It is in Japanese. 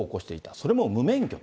それも無免許で。